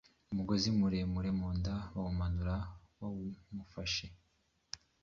umugozi muremure mu nda baramumanura bawufashe